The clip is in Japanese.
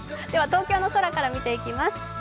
では東京の空から見ていきます。